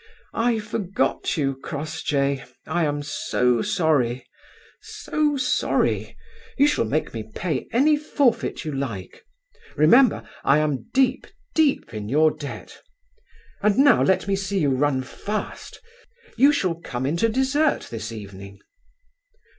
I forgot you, Crossjay. I am so sorry; so sorry! You shall make me pay any forfeit you like. Remember, I am deep, deep in your debt. And now let me see you run fast. You shall come in to dessert this evening."